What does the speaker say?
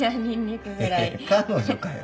彼女かよ！